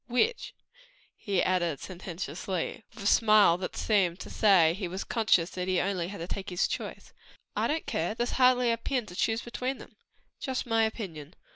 "Which?" he added sententiously, and with a smile that seemed to say, he was conscious that he had only to take his choice. "I don't care; there's hardly a pin to choose between them." "Just my opinion.